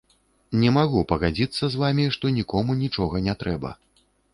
Не магу пагадзіцца з вамі, што нікому нічога не трэба.